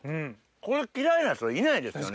これ嫌いな人いないですよね？